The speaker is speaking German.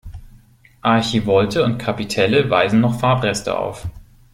Archivolte und Kapitelle weisen noch Farbreste auf.